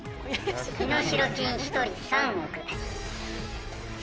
身代金１人３億円。